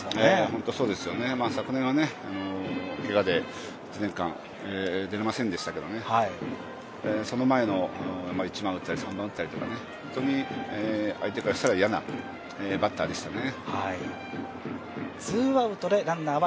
本当にそうですよね、昨年はけがで１年間出れませんでしたけれども、その前の１番打ったり３番打ったりとか本当に相手からしたら嫌なバッターでしたね。